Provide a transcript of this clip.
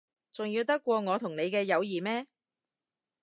重要得過我同你嘅友誼咩？